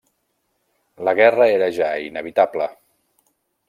La guerra era ja inevitable.